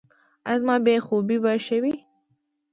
ایا زما بې خوبي به ښه شي؟